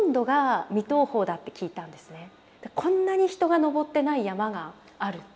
でこんなに人が登ってない山がある。